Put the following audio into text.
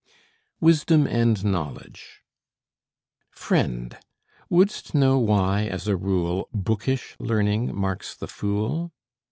WISDOM AND KNOWLEDGE Friend, wouldst know why as a rule Bookish learning marks the fool?